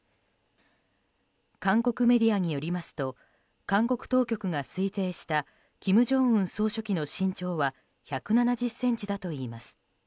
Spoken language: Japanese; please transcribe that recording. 韓国メディアによりますと韓国当局が推定した金正恩総書記の身長は１７０ｃｍだといいます。